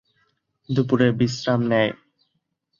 দুপুরে বিশ্রাম নেয়।